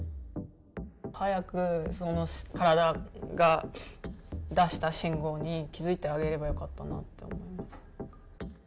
早く体が出した信号に気付いてあげればよかったなと思いました。